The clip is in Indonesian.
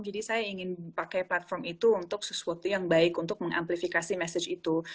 jadi saya ingin pakai platform itu untuk sesuatu yang baik untuk mengamplifikasi message itu